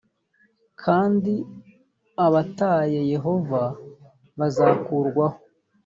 kandi abataye yehova bazakurwaho